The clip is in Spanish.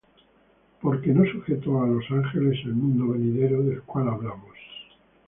Porque no sujetó á los ángeles el mundo venidero, del cual hablamos.